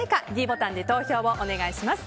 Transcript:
ｄボタンで投票をお願いします。